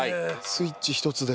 スイッチ１つで。